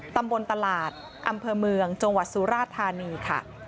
ตำบลตลาดอำเภอเมืองจังหวัดสุราธานีค่ะ